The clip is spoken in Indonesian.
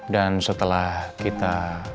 dan setelah kita